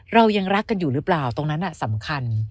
เรายังรักกันอยู่หรือเปล่าตรงนั้นสำคัญ